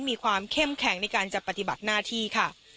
มีความเข้มแข็งในการจะปฏิบัติหน้าที่ค่ะ